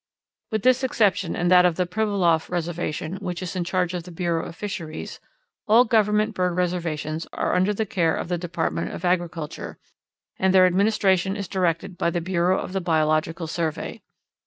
With this exception and that of the Pribilof Reservation, which is in charge of the Bureau of Fisheries, all Government bird reservations are under the care of the Department of Agriculture, and their administration is directed by the Bureau of the Biological Survey.